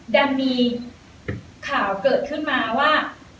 ดันมีข่าวเกิดขึ้นมาว่า